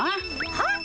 はっ？